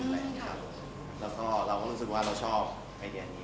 แล้วก็เราก็รู้สึกว่าเราชอบไอเดียนี้